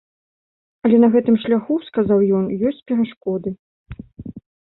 Але на гэтым шляху, сказаў ён, ёсць перашкоды.